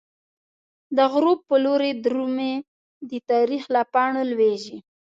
د غروب په لوری د رومی، د تاریخ له پاڼو لویزی